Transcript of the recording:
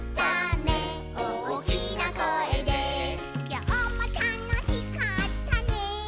「きょうもたのしかったね」